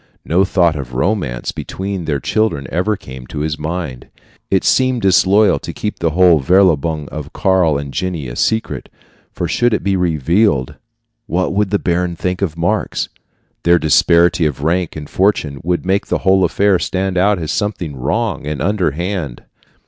No thought of romance between their children had ever come into his mind. It seemed disloyal to keep the verlobung of Karl and Jenny a secret; for should it be revealed, what would the baron think of Marx? Their disparity of rank and fortune would make the whole affair stand out as something wrong and underhand.